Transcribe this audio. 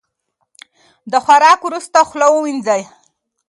د خوراک وروسته خوله ومینځئ.